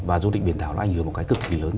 và du lịch biển thảo nó ảnh hưởng một cái cực kỳ lớn